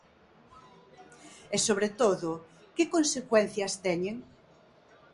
E, sobre todo, que consecuencias teñen?